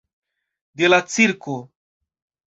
De la cirko.